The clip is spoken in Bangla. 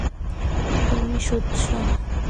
তুমি সত্যি বলছ?